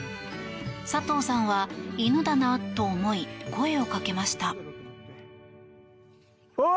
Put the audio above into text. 佐藤さんは犬だなと思い声をかけました。